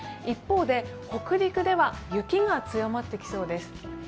一方で北陸では雪が強まってきそうです。